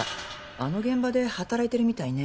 あの現場で働いてるみたいね。